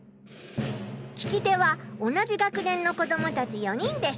聞き手は同じ学年の子どもたち４人です。